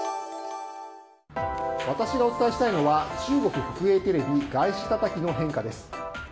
私がお伝えしたいのは中国国営テレビ外資たたきの変化です。